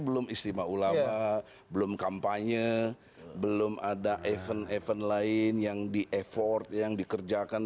belum istimewa ulama belum kampanye belum ada event event lain yang di effort yang dikerjakan